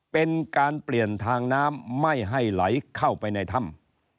เป็นการเปลี่ยนทางน้ำไม่ให้ไหลเข้าไปในถ้ำ